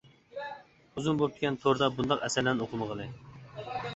ئۇزۇن بوپتىكەن توردا بۇنداق ئەسەرلەرنى ئوقۇمىغىلى.